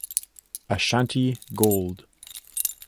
Ashanti Gold